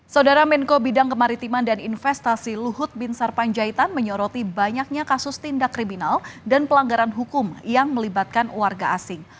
saudara menko bidang kemaritiman dan investasi luhut bin sarpanjaitan menyoroti banyaknya kasus tindak kriminal dan pelanggaran hukum yang melibatkan warga asing